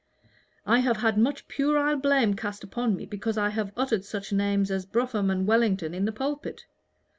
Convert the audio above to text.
I have had much puerile blame cast upon me because I have uttered such names as Brougham and Wellington in the pulpit.